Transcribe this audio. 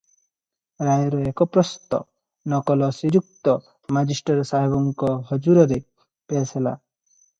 ରାୟର ଏକ ପ୍ରସ୍ତ ନକଲ ଶ୍ରୀଯୁକ୍ତ ମାଜିଷ୍ଟର ସାହେବଙ୍କ ହଜୁରରେ ପେଶ ହେଲା ।